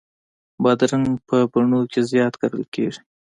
بادرنګ په بڼو کې زیات کرل کېږي.